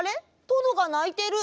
トドがないてる！